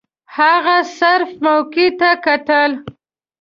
هغه صرف موقع ته کتل.